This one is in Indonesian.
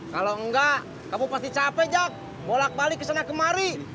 kalo enggak kamu pasti capek jak bolak balik kesana kemari